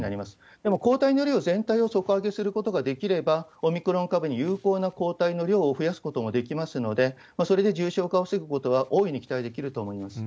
でも、抗体の量全体を底上げすることができれば、オミクロン株に有効な抗体の量を増やすこともできますので、それで重症化を防ぐことは大いに期待できると思います。